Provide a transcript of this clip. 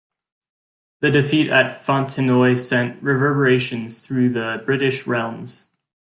The defeat at Fontenoy sent reverberations through the British realms.